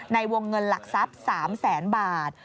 ในวงเงินหลักทรัพย์๓แสนบาท